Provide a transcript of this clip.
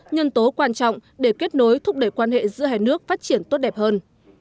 nhân tố quan trọng để kết nối thúc đẩy quan hệ giữa hai nước phát triển tốt đẹp hơn